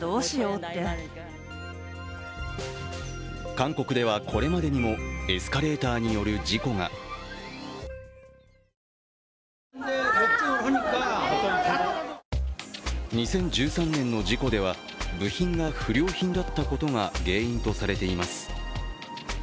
韓国ではこれまでにもエスカレーターによる事故が２０１３年の事故では部品が不良品だったことが原因とされています